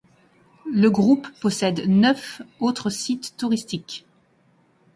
Le groupe possède neuf autres sites touristiques.